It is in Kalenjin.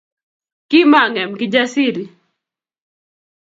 Kimangem Kijasiri